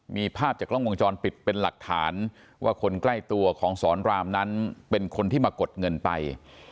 มีภาพจากกล้องวงจรปิดเป็นหลักฐานว่าคนใกล้ตัวของสอนรามนั้นเป็นคนที่มากดเงินไป